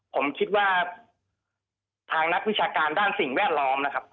ผมคิดว่าทางนักวิชาการด้านสิ่งแวดล้อมนะครับ